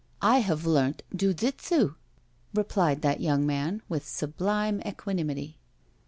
I have learnt Ju jitsu," replied that young man with sublime equanimity.